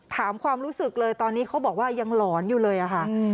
ความรู้สึกเลยตอนนี้เขาบอกว่ายังหลอนอยู่เลยอะค่ะ